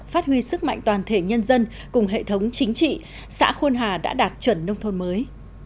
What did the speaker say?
phát huy sức mạnh toàn thể nhân dân cùng hệ thống chính trị xã khuôn hà đã đạt chuẩn nông thôn mới